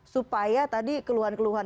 supaya tadi keluhan keluhan